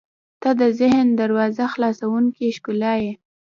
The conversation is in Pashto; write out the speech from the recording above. • ته د ذهن دروازه خلاصوونکې ښکلا یې.